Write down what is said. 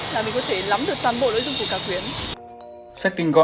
là mình có thể lắm được toàn bộ nội dung của cả quyển